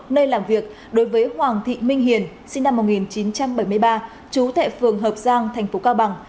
nơi làm việc đối với hoàng thị minh hiền sinh năm một nghìn chín trăm bảy mươi ba chú thệ phường hợp giang thành phố cao bằng